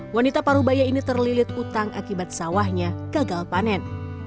wanita parubaya ini terlilit utang akibat sawahnya gagal panen